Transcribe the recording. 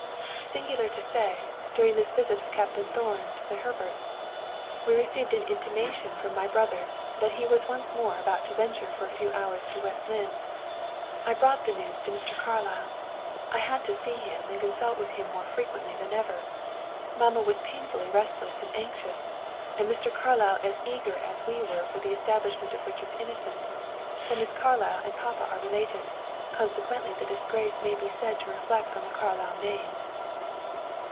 "Singular to say, during this visit of Captain Thorn to the Herberts, we received an intimation from my brother that he was once more about to venture for a few hours to West Lynne. I brought the news to Mr. Carlyle. I had to see him and consult with him more frequently than ever; mamma was painfully restless and anxious, and Mr. Carlyle as eager as we were for the establishment of Richard's innocence; for Miss Carlyle and papa are related, consequently the disgrace may be said to reflect on the Carlyle name."